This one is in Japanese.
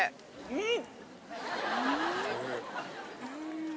うん！